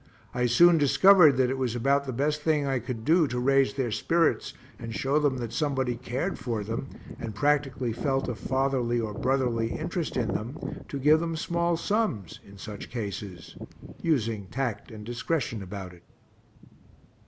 I soon discovered that it was about the best thing I could do to raise their spirits and show them that somebody cared for them, and practically felt a fatherly or brotherly interest in them, to give them small sums, in such cases, using tact and discretion about it.